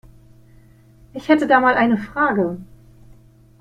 Ich hätte da mal eine Frage.